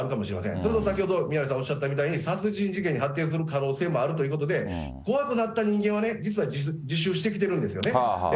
それと先ほど、宮根さんもおっしゃったように、殺人事件に発展する可能性もあるということで、怖くなった人間は、実は自首してきてるんですよね。